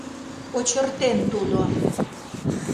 - кочыртен тудо.